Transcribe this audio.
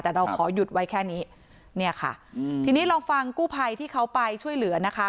แต่เราขอหยุดไว้แค่นี้เนี่ยค่ะอืมทีนี้ลองฟังกู้ภัยที่เขาไปช่วยเหลือนะคะ